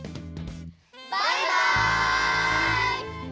バイバイ！